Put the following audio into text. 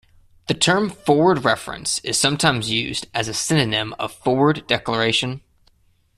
The term forward reference is sometimes used as a synonym of "forward declaration".